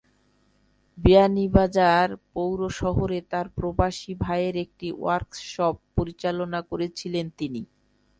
বিয়ানীবাজার পৌর শহরে তাঁর প্রবাসী ভাইয়ের একটি ওয়ার্কশপ পরিচালনা করছিলেন তিনি।